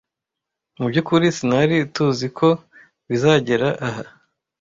Mubyukuri, sinari tuziko bizagera aha.